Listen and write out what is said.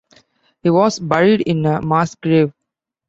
He was buried in a mass grave.